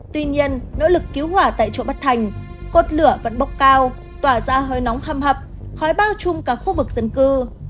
tuy nhiên nỗ lực cứu hỏa tại chỗ bất thành cột lửa vẫn bốc cao tỏa ra hơi nóng hâm hập khói bao chung cả khu vực dân cư